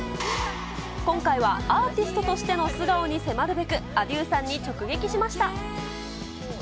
今回は、アーティストとしての素顔に迫るべく、ａｄｉｅｕさんに直撃しました。